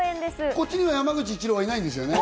こっちには山口一郎はいないですよね？